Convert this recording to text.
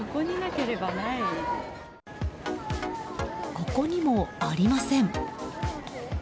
ここにもありません。